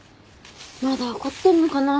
まだ怒ってんのかなぁ。